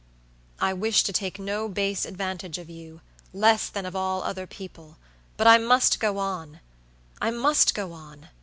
I wish to take no base advantage of you, less than of all other people; but I must go on; I must go on.